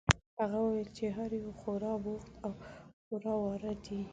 هغه وویل چې هر یو خورا بوخت او خواره واره دي.